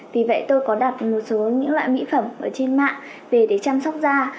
vì vậy tôi có đặt một số những loại mỹ phẩm ở trên mạng về để chăm sóc da